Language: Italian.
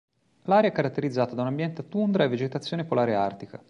L'area è caratterizzata da un ambiente a tundra e vegetazione polare artica.